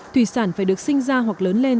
thủy sản phải được sinh ra hoặc lớn lên